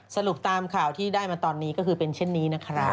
สรุปตามข่าวที่ได้มาตอนนี้คือเป็นเช่นนี้